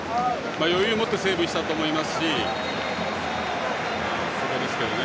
余裕を持ってセーブしたと思います。